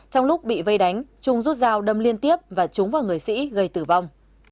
trong lúc bị vây đánh trung rút dao đâm liên tiếp và trúng vào người sĩ gây tử vong